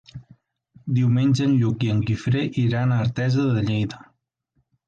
Diumenge en Lluc i en Guifré iran a Artesa de Lleida.